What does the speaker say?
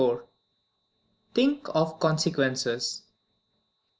Think of Consequences.